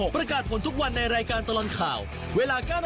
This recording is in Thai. ประกาศผลทุกวันในรายการตลอดข่าว